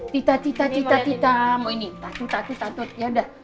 tita tita tita tita mau ini tatu tatu tatu yaudah